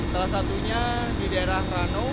salah satunya di daerah rano